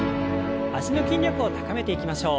脚の筋力を高めていきましょう。